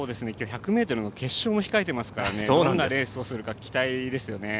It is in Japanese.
１００ｍの決勝も控えていますからどんなレースをするか期待ですね。